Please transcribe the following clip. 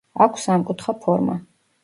აქვს სამკუთხა ფორმა.